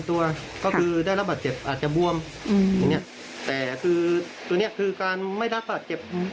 แต่นี่คือการไม่ระดับบัตรเจ็บ